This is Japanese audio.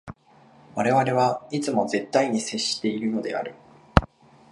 我々はいつも絶対に接しているのである。